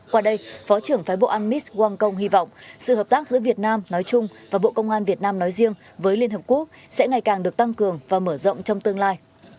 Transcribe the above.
qua đây phó trưởng phái bộ an mis quang công hy vọng sự hợp tác giữa việt nam nói chung và bộ công an việt nam nói riêng với liên hợp quốc sẽ ngày càng được tăng cường và mở rộng trong tương lai